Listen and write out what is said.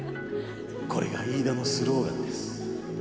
これがイイダのスローガンです。